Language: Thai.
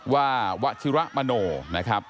ว่าวะชิระมโหน่